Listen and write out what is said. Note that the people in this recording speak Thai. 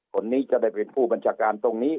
คนนี้จะได้เป็นผู้บัญชาการตรงนี้